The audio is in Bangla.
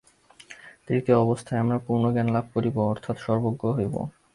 তৃতীয় অবস্থায় আমরা পূর্ণ জ্ঞানলাভ করিব, অর্থাৎ সর্বজ্ঞ হইব।